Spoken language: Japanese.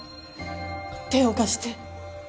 手を貸して。